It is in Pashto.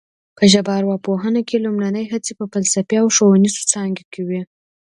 په ژبارواپوهنه کې لومړنۍ هڅې په فلسفي او ښوونیزو څانګو کې وې